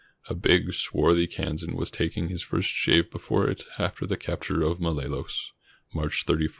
A big, swarthy Kansan was taking his first shave before it after the capture of Malolos, March 31, 1899.